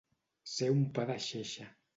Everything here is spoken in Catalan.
Ser un pa de xeixa.